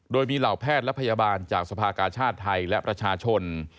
โดยมีเหล่าแพทย์และพยาบาลจากสภากาชาติไทยและประชาชน